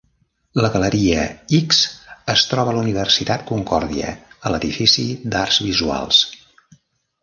La galeria X es troba a la Universitat Concordia, a l'edifici d'Arts Visuals.